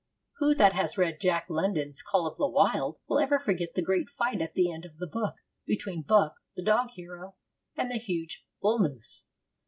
Who that has read Jack London's Call of the Wild will ever forget the great fight at the end of the book between Buck, the dog hero, and the huge bull moose?